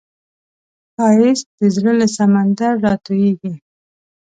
ښایست د زړه له سمندر راټوکېږي